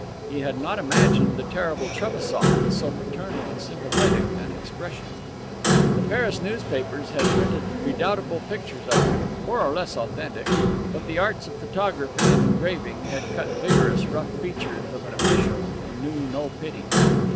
He had not imagined the terrible Trebassof with so paternal and sympathetic an expression. The Paris papers had printed redoubtable pictures of him, more or less authentic, but the arts of photography and engraving had cut vigorous, rough features of an official who knew no pity.